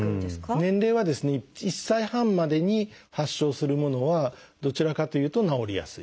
年齢は１歳半までに発症するものはどちらかというと治りやすい。